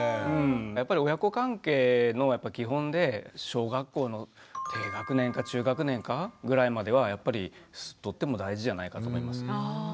やっぱり親子関係の基本で小学校の低学年か中学年かぐらいまではやっぱりとっても大事じゃないかと思いますね。